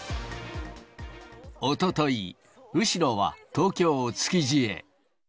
おととい、後呂は東京・築地へ。